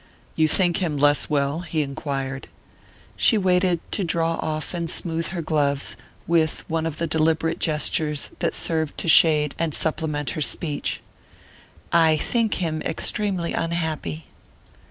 "You think him less well?" he enquired. She waited to draw off and smooth her gloves, with one of the deliberate gestures that served to shade and supplement her speech. "I think him extremely unhappy."